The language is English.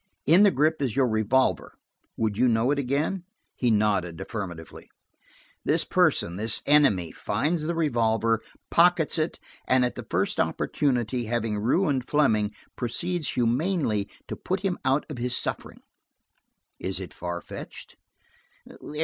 In the grip is your revolver; would you know it again?" He nodded affirmatively. "This person–this enemy finds the revolver; pockets it and at the first opportunity, having ruined Fleming, proceeds humanely to put him out of his suffering. Is it far fetched?"